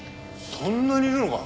そんなにいるのか？